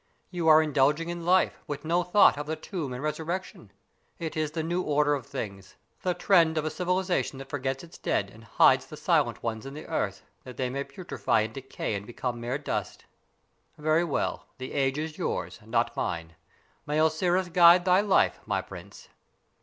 You are indulging in life, with no thought of the tomb and the resurrection. It is the new order of things, the trend of a civilization that forgets its dead and hides the silent ones in the earth, that they may putrify and decay and become mere dust. Very well; the age is yours, not mine. May Osiris guide thy life, my prince!"